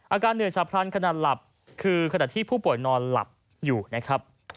อาการเหนื่อยฉับพลันขนาดหลับคือขณะที่ผู้ป่วยนอนหลับอยู่นะครับ